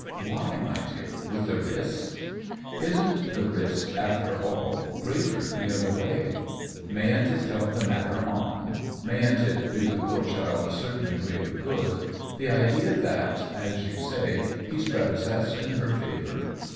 " Why, my dear — with the risk !"" Isn't the risk, after all, greater the other way ? Mayn't it help the matter on, mayn't it do the poor child a certain degree of good, the idea that, as you say, he's pre possessed in her favor.?